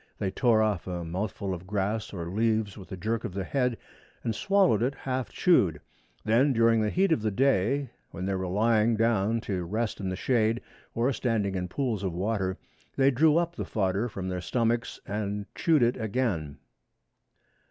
They tore off a mouthful of grass or leaves with a jerk of the head and swallowed it half chewed. Then, during the heat of the day, when they were lying down to rest in the shade, or standing in pools of water, they drew up the fodder from their stomachs and chewed it again.